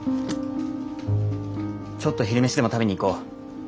ちょっと昼飯でも食べに行こう。